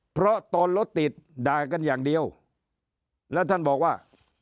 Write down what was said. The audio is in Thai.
เพราะตอนรถติดด่ากันอย่างเดียวแล้วท่านบอกว่า